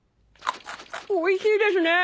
おいしいですね！